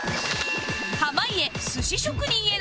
濱家寿司職人への道